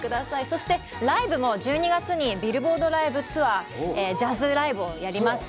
そして、ライブも１２月にビルボードライブツアー、ジャズライブをやります。